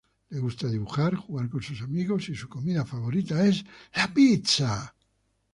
Le gusta dibujar, jugar con sus amigos y su comida favorita es la pizza.